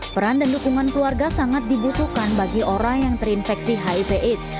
peran dan dukungan keluarga sangat dibutuhkan bagi orang yang terinfeksi hiv aids